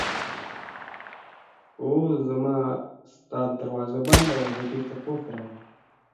Beyer designed the locomotives that made Sharp, Roberts and Co famous as locomotive builders.